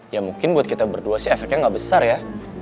ya mungkin buat kita berdua sih efeknya nggak besar ya